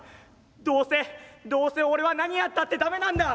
どうせどうせ俺は何やったって駄目なんだ！」。